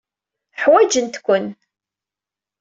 Ḥwajent-ken.